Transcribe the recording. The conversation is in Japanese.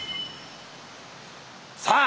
さあ